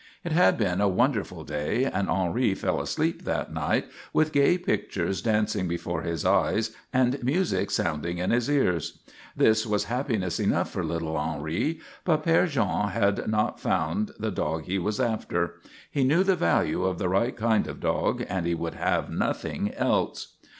It had been a wonderful day and Henri fell asleep that night with gay pictures dancing before his eyes and music sounding in his ears. This was happiness enough for little Henri, but Père Jean had not found the dog he was after. He knew the value of the right kind of dog and he would have nothing else.